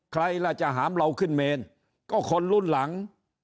ใครล่ะจะหามเราขึ้นเมนก็คนรุ่นหลัง